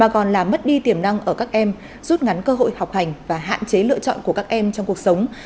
các em rút ngắn cơ hội học hành và hạn chế lựa chọn của các em trong cuộc sống